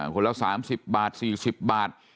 คนละ๓๐บาท๔๐บาท